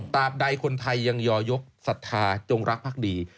ตามใดคนไทยยังยอยกศรัทธาจงรักภักดี